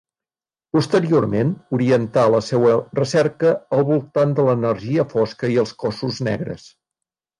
Posteriorment orientà la seva recerca al voltant de l'energia fosca i els cossos negres.